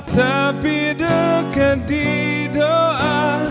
tapi dekat di doa